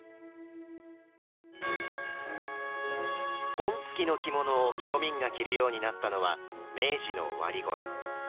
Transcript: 紋付の着物を庶民が着るようになったのは明治の終わりごろ。